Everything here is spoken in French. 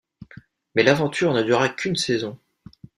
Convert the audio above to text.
Mais l’aventure ne dura qu’une saison.